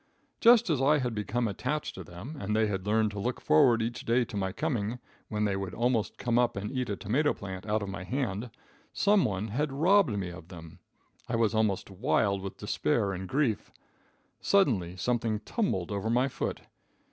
Just as I had become attached to them, and they had learned to look forward each day to my coming, when they would almost come up and eat a tomato plant out of my hand, some one had robbed me of them. I was almost wild with despair and grief. Suddenly something tumbled over my foot.